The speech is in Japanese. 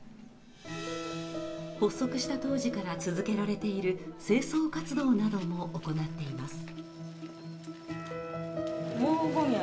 発足した当時から続けられている清掃活動なども行っています。